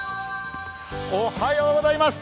おはようございます。